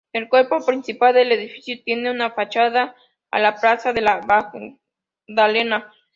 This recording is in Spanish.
El cuerpo principal del edificio tiene su fachada a la plaza de la Magdalena.